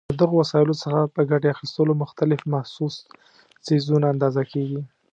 له دغو وسایلو څخه په ګټې اخیستلو مختلف محسوس څیزونه اندازه کېږي.